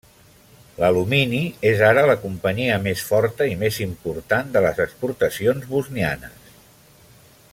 L'alumini és ara la companyia més forta i més important de les exportacions bosnianes.